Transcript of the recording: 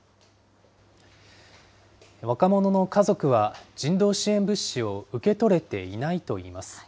若者の家族は人道支援物資を受け取れていないといいます。